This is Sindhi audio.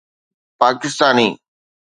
پاڪستاني